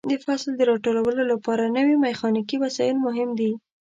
د فصل د راټولولو لپاره نوې میخانیکي وسایل مهم دي.